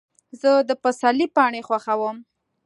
زه د پسرلي پاڼې خوښوم.